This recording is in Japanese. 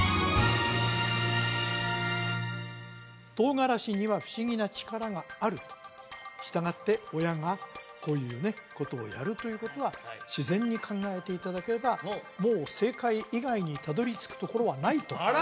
トウガラシには不思議な力があるとしたがって親がこういうねことをやるということは自然に考えていただければもう正解以外にたどり着くところはないとあらま！